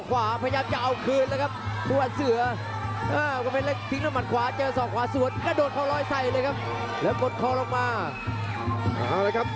คอยเหาะแห้ละครับโหดยกที่๒ครับ